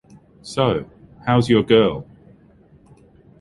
So... How's Your Girl?